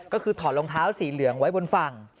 ก็คือถอดรองเท้าสีเหลืองไว้บนฝั่ง